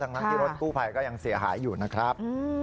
ทั้งที่รถกู้ภัยก็ยังเสียหายอยู่นะครับ